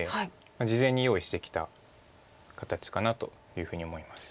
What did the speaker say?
事前に用意してきた形かなというふうに思います。